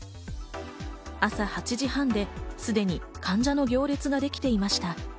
朝８時半ですでに患者の行列ができていました。